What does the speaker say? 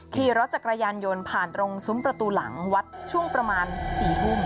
ขี่รถจักรยานยนต์ผ่านตรงซุ้มประตูหลังวัดช่วงประมาณ๔ทุ่ม